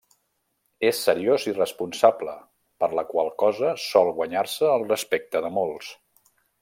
És seriós i responsable, per la qual cosa sol guanyar-se el respecte de molts.